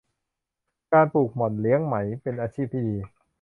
การปลูกหม่อนเลี้ยงไหม เป็นอาชีพที่ดี